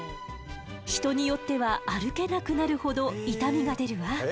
人によっては歩けなくなるほど痛みが出るわ。